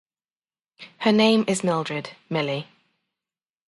Her name is Mildred "Millie".